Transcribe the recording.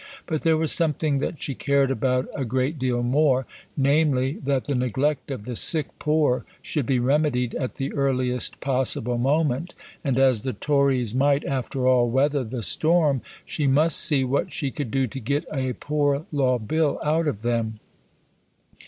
But there was something that she cared about a great deal more, namely, that the neglect of the sick poor should be remedied at the earliest possible moment; and as the Tories might after all weather the storm, she must see what she could do to get a Poor Law Bill out of them.